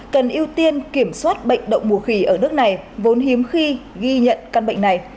cần ưu tiên kiểm soát bệnh đậu mùa khỉ ở nước này vốn hiếm khi ghi nhận căn bệnh này